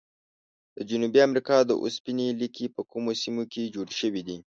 د جنوبي امریکا د اوسپنې لیکي په کومو سیمو کې جوړې شوي دي؟